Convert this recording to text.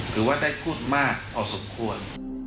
ถือว่าได้พูดมากพอสมควร